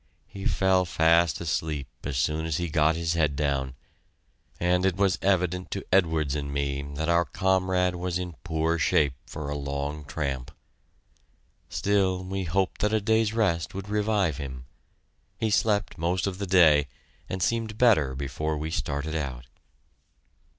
He fell fast asleep as soon as he got his head down, and it was evident to Edwards and me that our comrade was in poor shape for a long tramp. Still we hoped that a day's rest would revive him. He slept most of the day and seemed better before we started out.